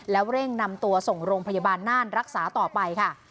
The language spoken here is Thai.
แล้วเร่งนำตัวส่งโรงพยาบาลน่านรักษาต่อไปค่ะ